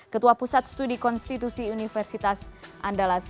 ketua pusat studi konstitusi universitas andalas